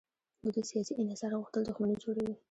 د دوی سیاسي انحصار غوښتل دښمني جوړوي.